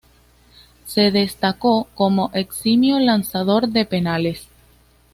Se destacó como eximio lanzador de penales.